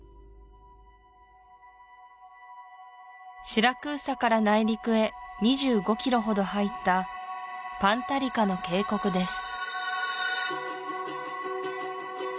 シラクーサから内陸へ２５キロほど入ったパンタリカの渓谷です